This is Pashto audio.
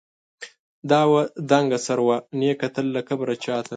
دا وه دنګه سروه، نې کتل له کبره چاته